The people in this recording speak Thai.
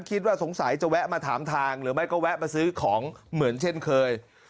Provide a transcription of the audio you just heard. คิดว่าสงสัยจะแวะมาถามทางหรือไม่ก็แวะมาซื้อของเหมือนเช่นเคย